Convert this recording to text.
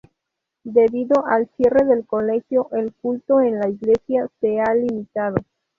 Debido al cierre del colegio, el culto en la iglesia se ha limitado.